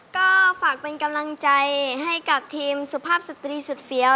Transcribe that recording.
ก็ฝากเป็นกำลังใจให้กับทีมสุภาพสตรีสุดเฟี้ยว